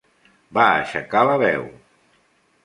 Va aixecar la veu.